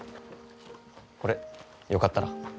これよかったら。